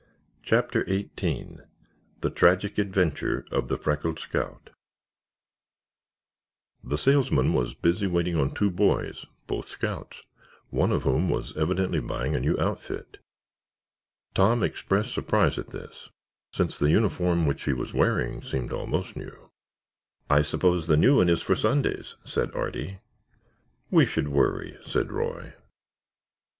CHAPTER XVIII THE TRAGIC ADVENTURE OF THE FRECKLED SCOUT The salesman was busy waiting on two boys, both scouts, one of whom was evidently buying a new outfit. Tom expressed surprise at this, since the uniform which he was wearing seemed almost new. "I suppose the new one is for Sundays," said Artie. "We should worry," said Roy.